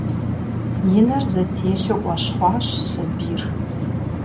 И нэр зэтелъу Ӏуэщхъуащ сабийр.